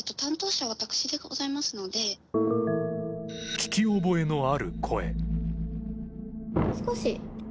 聞き覚えのある声。